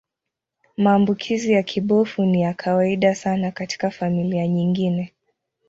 Maambukizi ya kibofu ni ya kawaida sana katika familia nyingine.